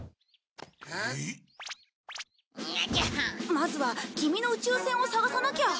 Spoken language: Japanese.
まずはキミの宇宙船を捜さなきゃ。